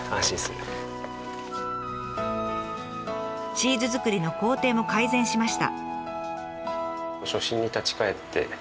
チーズ作りの工程も改善しました。